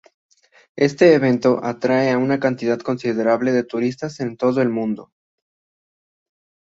Este evento atrae a una cantidad considerable de turistas de todo el mundo.